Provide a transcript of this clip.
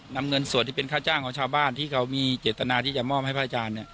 นำเงินส่วนที่เป็นค่าจ้างของชาวบ้านที่เขามีเจตนาที่จะมอบให้พระอาจารย์